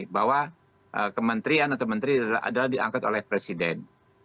bahwa kementerian atau menteri adalah diangkat oleh presiden